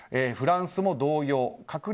フランスも同様。